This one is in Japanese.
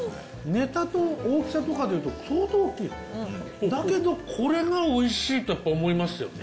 ネタと大きさでいうと相当大きいだけどこれがおいしいとやっぱ思いますよね